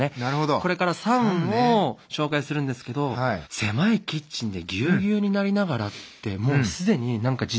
これから「ＳＵＮ」を紹介するんですけど「狭いキッチンでぎゅうぎゅうになりながら」ってもう既に何か時代を感じてしまって。